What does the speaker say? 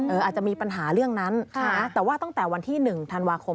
อาจจะมีปัญหาเรื่องนั้นแต่ว่าตั้งแต่วันที่๑ธันวาคม